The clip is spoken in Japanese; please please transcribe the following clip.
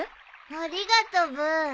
ありがとブー。